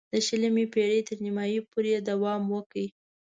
د شلمې پېړۍ تر نیمايی پورې یې دوام وکړ.